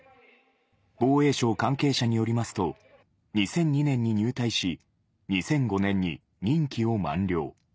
防衛省関係者によりますと、２００２年に入隊し、２００５年に任期を満了。